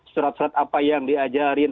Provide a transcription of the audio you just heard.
surat surat apa yang diajarin